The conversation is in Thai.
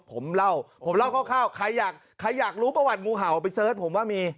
ผมเล่าคร่าวใครอยากรู้ประวัติงูเห่าไปเสิร์ชผมว่ามี